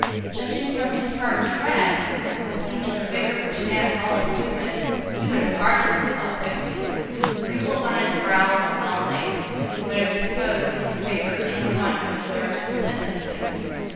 Judging from his firm tread, from the singular vigor which stamped all his movements, he would have hardly been thought fifty. The wrinkles on his brow were well placed, and would have disposed in his favor any one who observed him attentively.